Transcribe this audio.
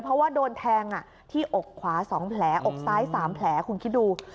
เพราะว่าโดนแทงอ่ะที่อกขวาสองแผลอกซ้ายสามแผลคุณคิดดูโห